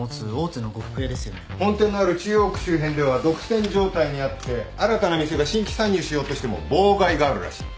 本店のある中央区周辺では独占状態にあって新たな店が新規参入しようとしても妨害があるらしい。